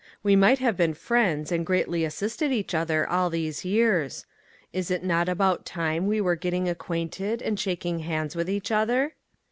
We might have been friends and greatly assisted each other all these years. Is it not about time we were getting acquainted and shaking hands with each other?